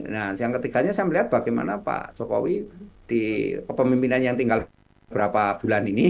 nah yang ketiganya saya melihat bagaimana pak jokowi di kepemimpinan yang tinggal beberapa bulan ini